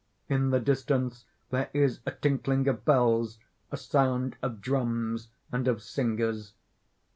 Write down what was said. In the distance there is a tinkling of bells, a sound of drums and of singers.